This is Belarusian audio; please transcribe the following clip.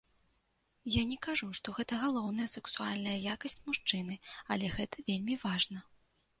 Я не кажу, што гэта галоўная сэксуальная якасць мужчыны, але гэта вельмі важна.